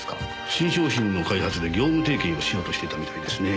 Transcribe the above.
新商品の開発で業務提携をしようとしていたみたいですね。